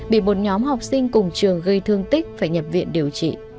bị một nhóm học sinh cùng trường gây thương tích phải nhập viện điều trị